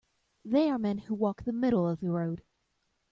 They are men who walk the middle of the road.